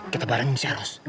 kita barengin si eros